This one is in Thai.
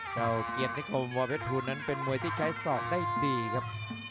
เจ้าเกียสในคลมวอร์เพชภูนินแล้วเป็นมวยที่ใช้สรอกได้ดีครับ